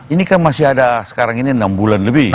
ini kan masih ada sekarang ini enam bulan lebih